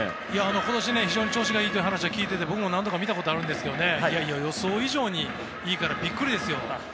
今年非常に調子がいいという話は聞いていて、僕も何度か見たことがあるんですけどいやいや、予想以上にいいからびっくりですよ！